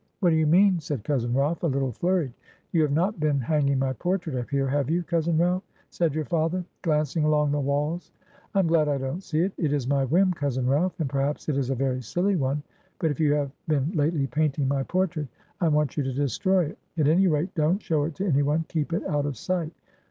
'What do you mean?' said cousin Ralph, a little flurried. 'You have not been hanging my portrait up here, have you, cousin Ralph?' said your father, glancing along the walls. 'I'm glad I don't see it. It is my whim, cousin Ralph, and perhaps it is a very silly one, but if you have been lately painting my portrait, I want you to destroy it; at any rate, don't show it to any one, keep it out of sight.